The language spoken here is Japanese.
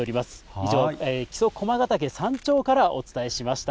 以上、木曽駒ヶ岳山頂からお伝えしました。